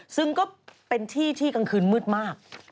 ซึ่งก็เป็นที่ที่กลางคืนมืดมาก